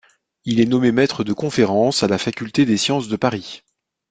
Il est nommé maître de conférences à la faculté des sciences de Paris.